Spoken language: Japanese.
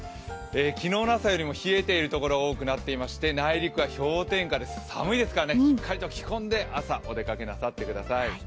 昨日の朝よりも冷えている所が多くなっていて内陸は氷点下です、寒いですからしっかりと着込んで朝、お出かけなさってください。